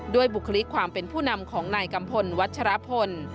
บุคลิกความเป็นผู้นำของนายกัมพลวัชรพล